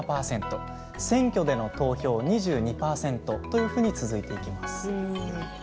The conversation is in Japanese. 選挙での投票２２％というふうに続いていきます。